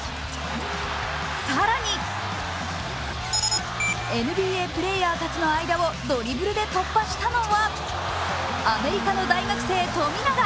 更に、ＮＢＡプレーヤーたちの間をドリブルで突破したのはアメリカの大学生・富永。